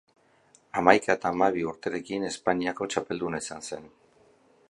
Hamaika eta hamabi urterekin Espainiako txapelduna izan zen.